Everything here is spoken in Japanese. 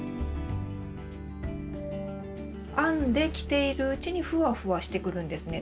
編んで着ているうちにふわふわしてくるんですね。